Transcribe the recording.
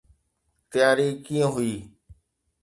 تياري ڪيئن هئي؟